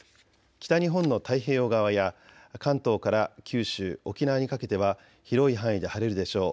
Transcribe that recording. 北日本の太平洋側や関東から九州、沖縄にかけては広い範囲で晴れるでしょう。